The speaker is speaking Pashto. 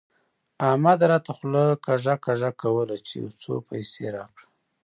احمد راته خوله کږه کږه کوله چې يو څو پيسې راکړه.